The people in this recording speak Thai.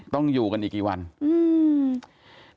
ต้องอยู่กันอีกกี่วันอืม